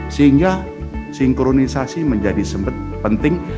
sehingga sinkronisasi menjadi sempat penting